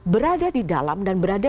berada di dalam dan berada